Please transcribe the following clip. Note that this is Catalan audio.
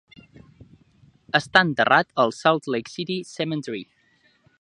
Està enterrat al Salt Lake City Cemetery.